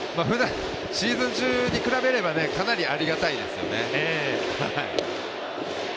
シーズン中に比べれば、かなりありがたいですよね。